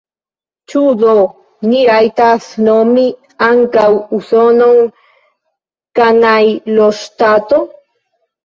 Ĉu do ni rajtas nomi ankaŭ Usonon kanajloŝtato?